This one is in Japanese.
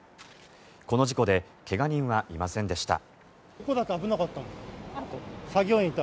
この事故で怪我人はいませんでした。